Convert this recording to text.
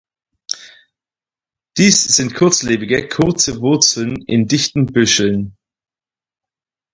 Dies sind kurzlebige, kurze Wurzeln in dichten Büscheln.